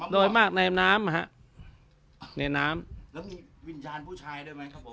โดยมากในน้ำในน้ำแล้วมีวิญญาณผู้ชายด้วยไหมครับผม